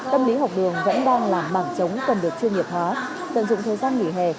tâm lý học đường vẫn đang làm mảng chống cần được chuyên nghiệp hóa tận dụng thời gian nghỉ hè